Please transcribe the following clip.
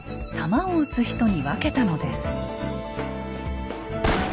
弾を撃つ人に分けたのです。